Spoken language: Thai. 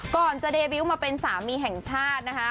ก่อนจะเดบิวต์มาเป็นสามีแห่งชาตินะคะ